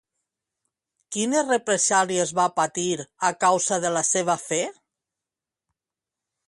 Quines represàlies va patir a causa de la seva fe?